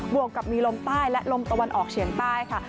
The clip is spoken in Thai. วกกับมีลมใต้และลมตะวันออกเฉียงใต้ค่ะ